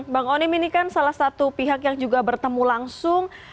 bang onim ini kan salah satu pihak yang juga bertemu langsung